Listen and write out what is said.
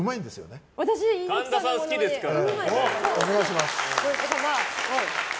神田さん、好きですから。